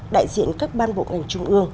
đại diện các ban bộ ngành trung ương